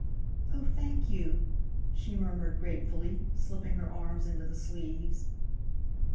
"Oh, thank you," she murmured gratefully, slipping her arms into the sleeves.